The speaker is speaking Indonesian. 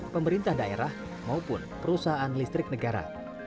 pemerintah daerah maupun perusahaan listrik negara